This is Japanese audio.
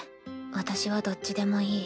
私はどっちでもいい。